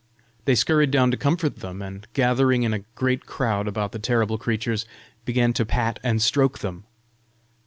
They scurried down to comfort them, and gathering in a great crowd about the terrible creatures, began to pat and stroke them.